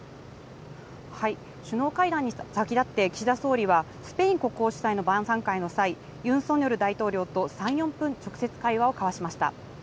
首脳会談に先立って、岸田総理は、スペイン国王主催の晩さん会の際、ユン・ソンニョル大統領と３、４分、直接会話を交わしました。